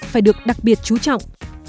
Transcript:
phải được đặc biệt chú trọng